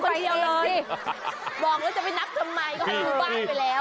บอกแล้วจะไปนับทำไมก็ไปบ้านไปแล้ว